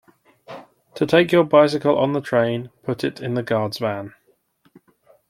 To take your bicycle on the train, put it in the guard’s van